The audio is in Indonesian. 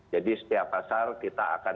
jadi setiap pasar kita akan